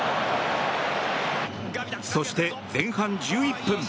そして、前半１１分。